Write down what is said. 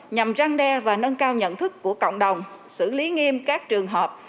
nhằm răng đe và nâng cao nhận thức của cộng đồng xử lý nghiêm các trường hợp